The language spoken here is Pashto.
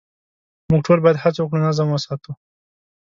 موږ ټول باید هڅه وکړو نظم وساتو.